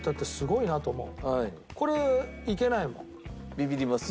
ビビりますよね。